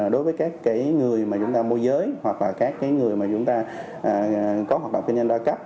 đối với các người mà chúng ta môi giới hoặc là các người mà chúng ta có hoạt động kinh doanh đa cấp